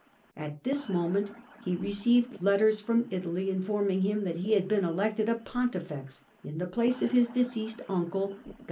At this moment he received letters from Italy informing him that he had been elected a pontifex, in the place of his deceased uncle, 0 .